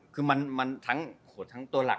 คือมันทั้งตัวหลัก